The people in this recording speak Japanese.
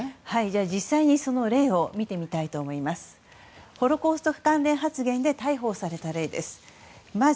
実際にその例を見てみたいと思います。